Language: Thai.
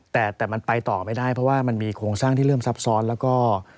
แต่มันไปต่อไม่ได้เพราะว่ามันมีโครงสร้างที่เริ่มซับซ้อนแล้วก็